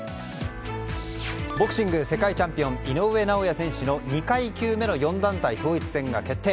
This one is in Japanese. ボクシング世界チャンピオン井上尚弥選手の２階級目の４団体統一戦が決定。